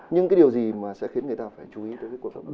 nhưng cái điều gì mà sẽ khiến người ta phải chú ý tới cuộc bầu cử